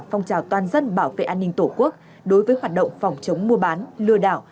phong trào toàn dân bảo vệ an ninh tổ quốc đối với hoạt động phòng chống mua bán lừa đảo